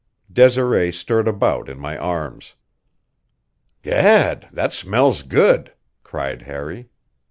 Desiree stirred about in my arms. "Gad, that smells good!" cried Harry.